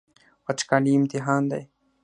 وچکالي امتحان دی.